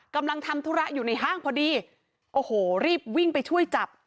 กำลังทำธุระอยู่ในห้างพอดีโอ้โหรีบวิ่งไปช่วยจับ